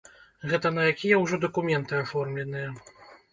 Гэта на якія ўжо дакументы аформленыя.